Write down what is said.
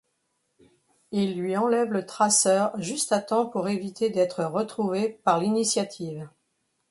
Il lui enlève le traceur juste à temps pour éviter d'être retrouvé par l'Initiative.